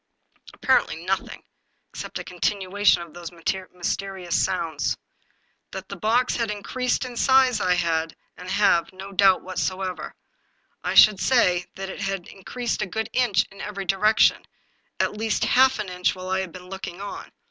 " Apparently nothing, except a continuation of those mys terious sounds. That the box had increased in size I had, and have, no doubt whatever. I should say that it had increased a good inch in every direction, at least half an inch while I had been looking on.